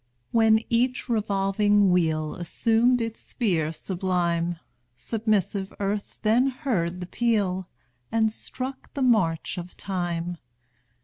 When each revolving wheel Assumed its sphere sublime, Submissive Earth then heard the peal, And struck the march of time.